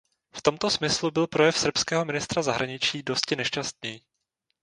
V tomto smyslu byl projev srbského ministra zahraničí dosti nešťastný.